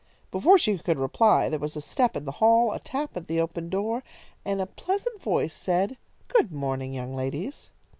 Before she could reply there was a step in the hall, a tap at the open door, and a pleasant voice said: "Good morning, young ladies."